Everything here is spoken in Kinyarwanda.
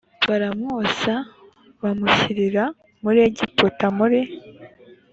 baramwosa bamushyirira muri egiputa mu